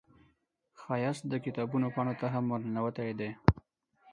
ښایست د کتابونو پاڼو ته هم ورننوتی دی